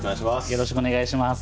よろしくお願いします。